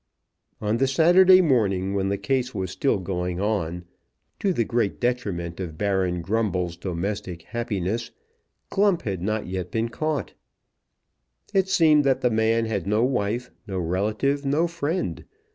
On the Saturday morning, when the case was still going on, to the great detriment of Baron Grumble's domestic happiness, Glump had not yet been caught. It seemed that the man had no wife, no relative, no friend.